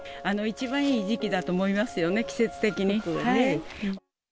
一番いい時期だと思いますよね、季節的に。